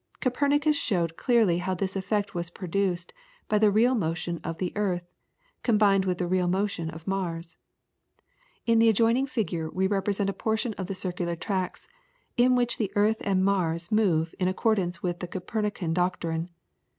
Copernicus showed clearly how this effect was produced by the real motion of the earth, combined with the real motion of Mars. In the adjoining figure we represent a portion of the circular tracks in which the earth and Mars move in accordance with the Copernican doctrine.